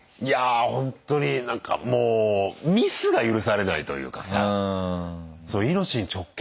いやほんとになんかもうミスが許されないというかさ。